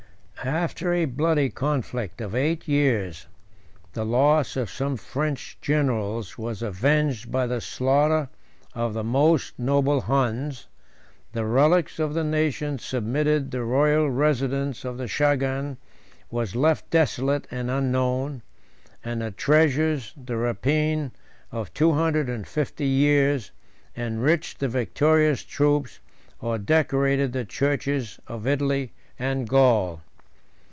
After a bloody conflict of eight years, the loss of some French generals was avenged by the slaughter of the most noble Huns: the relics of the nation submitted the royal residence of the chagan was left desolate and unknown; and the treasures, the rapine of two hundred and fifty years, enriched the victorious troops, or decorated the churches of Italy and Gaul.